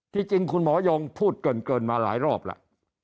จริงคุณหมอยงพูดเกินมาหลายรอบแล้ว